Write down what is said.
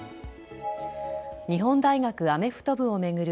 日本大学アメフト部を巡る